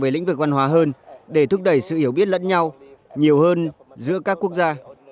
chúng ta sẽ thúc đẩy cộng đồng về lĩnh vực văn hóa hơn để thúc đẩy sự hiểu biết lẫn nhau nhiều hơn giữa các quốc gia